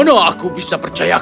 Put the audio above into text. bagaimanalah aku bisa percaya kau